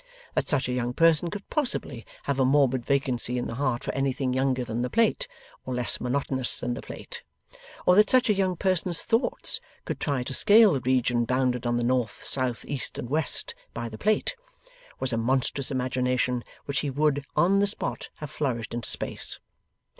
That such a young person could possibly have a morbid vacancy in the heart for anything younger than the plate, or less monotonous than the plate; or that such a young person's thoughts could try to scale the region bounded on the north, south, east, and west, by the plate; was a monstrous imagination which he would on the spot have flourished into space.